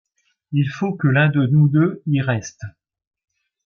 Il faut que l’un de nous deux y reste…